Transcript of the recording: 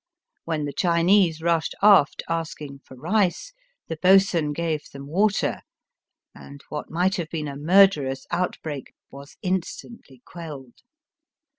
When the Chinese rushed aft asking for rice the bo'sun gave them water, and what might have been a murderous out break was instantly quelled.